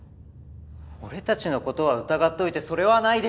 俺たちのことは疑っといてそれはないでしょ？